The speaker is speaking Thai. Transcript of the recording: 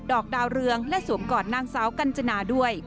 ดอกดาวเรืองและสวมกอดนางเสากัญจนา